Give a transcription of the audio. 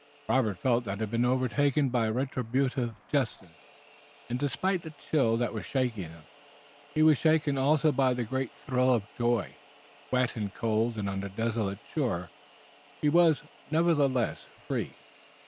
Robert felt that it had been overtaken by retributive justice, and, despite the chill that was shaking him, he was shaken also by a great thrill of joy. Wet and cold and on a desolate shore, he was, nevertheless, free.